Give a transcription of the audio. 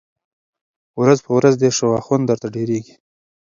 ورځ په ورځ دي شواخون درته ډېرېږی